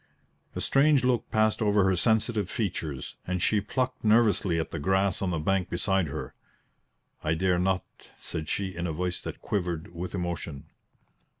A strange look passed over her sensitive features, and she plucked nervously at the grass on the bank beside her. "I dare not," said she in a voice that quivered with emotion.